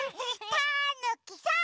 たぬきさん！